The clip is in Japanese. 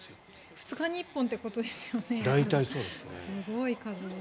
２日に１本ということですよね。